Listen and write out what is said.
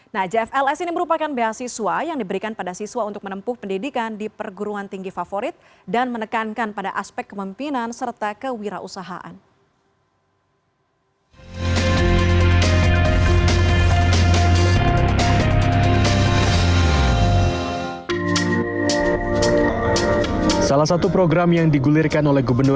nah jfls ini merupakan beasiswa yang diberikan pada siswa untuk menempuh pendidikan di perguruan tinggi favorit dan menekankan pada aspek kemampinan serta kewirausahaan